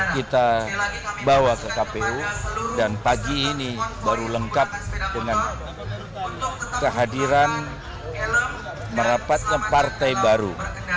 kita bawa ke kpu dan pagi ini baru lengkap dengan kehadiran merapatnya partai baru